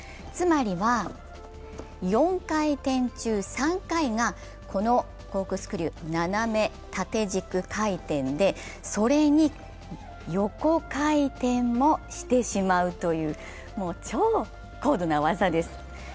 つまりは４回転中３回が、このコークスクリュー、斜め縦軸回転で、それに横回転もしてしまうという、もう超高度な技です。